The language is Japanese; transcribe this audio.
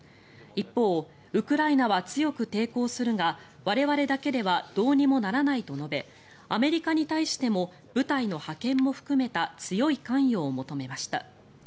一方ウクライナは強く抵抗するが我々だけではどうにもならないと述べアメリカに対しても部隊の派遣も含めた強い関与を求めました。